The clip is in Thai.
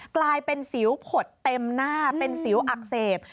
กลายเป็นสิวผดเต็มหน้าเป็นสิวอักเสบ